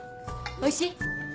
おいしい。